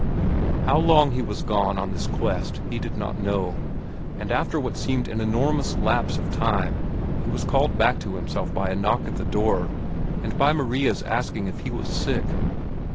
How long he was gone on this quest he did not know, but after what seemed an enormous lapse of time, he was called back to himself by a knock at the door, and by Maria's asking if he was sick.